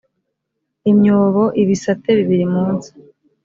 imyobo ibisate bibiri munsi